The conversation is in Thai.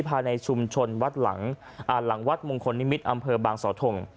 พาในชุมชนวัดหลังอ่าหลังวัฒน์หลังวัดมงคลนิมิตรอำเภอบางสถง